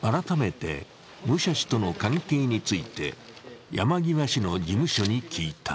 改めて武者氏との関係について山際氏の事務所に聞いた。